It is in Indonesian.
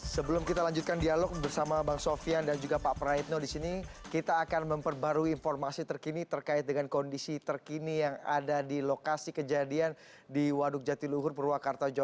sebelum kita lanjutkan dialog bersama bang sofian dan juga pak praetno disini kita akan memperbarui informasi terkini terkait dengan kondisi terkini yang ada di lokasi kejadian di waduk jatiluhur purwakarta jawa barat